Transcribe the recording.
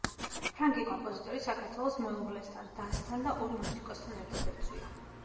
ფრანგი კომპოზიტორი საქართველოს მეუღლესთან, დასთან და ორ მუსიკოსთან ერთად ეწვია.